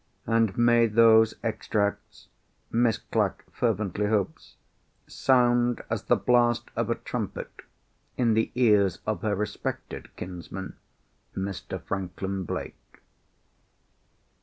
And may those Extracts (Miss Clack fervently hopes) sound as the blast of a trumpet in the ears of her respected kinsman, Mr. Franklin Blake."